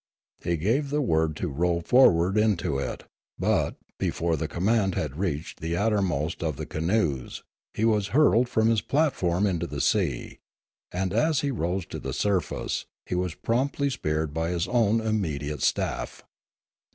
He gave the word to row forward into it; but, before the command had reached the outermost of the*canoes, he was hurled from his platform into the sea, and, as he rose to the surface, he was promptly speared by his own immediate staff.